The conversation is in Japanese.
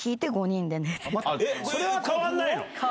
それは変わんないの？